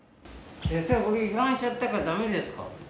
僕、違反しちゃったからだめですか？